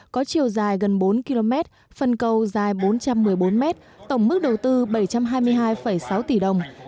có chiều dài gần bốn km phần cầu dài bốn trăm một mươi bốn m tổng mức đầu tư bảy trăm hai mươi hai sáu tỷ đồng